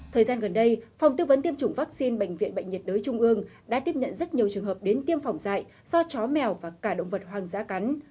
thời gian gần đây phòng tư vấn tiêm chủng vaccine bệnh viện bệnh nhiệt đới trung ương đã tiếp nhận rất nhiều trường hợp đến tiêm phòng dạy do chó mèo và cả động vật hoang dã cắn